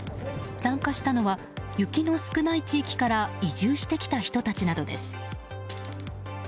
参加したのは雪の少ない地域から移住してきた人たちなどです。